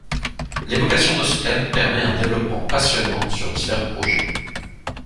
L’évocation de ce thème permet un développement passionnant sur divers projets.